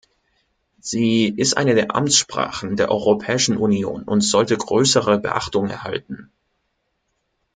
Sie ist eine der Amtssprachen der Europäischen Union und sollte größere Beachtung erhalten.